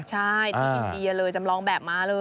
ใช่ที่อินเดียเลยจำลองแบบมาเลย